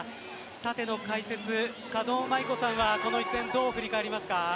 縦の解説、狩野舞子さんはこの一戦、どう振り返りますか？